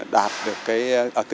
đạt được cái